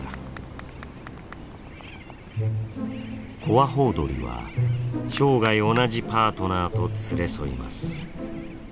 コアホウドリは生涯同じパートナーと連れ添います。